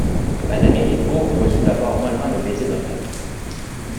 Mme Héricourt reçut d'abord mollement le baiser d'Omer.